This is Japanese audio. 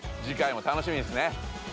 次回もたのしみですね。